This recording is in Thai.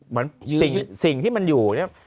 เหมือนสิ่งที่มันอยู่เนี่ย